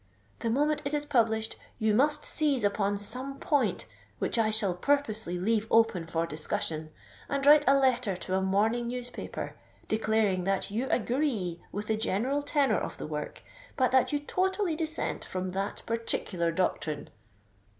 "The moment it is published, you must seize upon some point, which I shall purposely leave open for discussion, and write a letter to a morning newspaper, declaring that you agree with the general tenour of the work, but that you totally dissent from that particular doctrine."